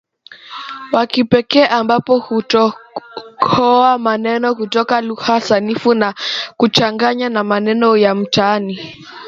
wa kipekee ambapo hutohoa maneno kutoka lugha sanifu na kuchanganya na maneno ya mtaani